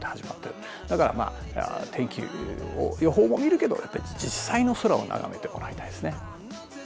だから天気を予報も見るけど実際の空を眺めてもらいたいですね。